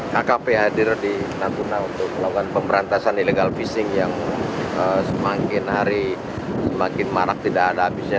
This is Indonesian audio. kkp hadir di natuna untuk melakukan pemberantasan illegal fishing yang semakin hari semakin marak tidak ada habisnya